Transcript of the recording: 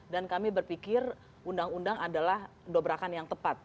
dan kami berpikir undang undang adalah dobrakan yang tepat